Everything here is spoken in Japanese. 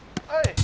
はい！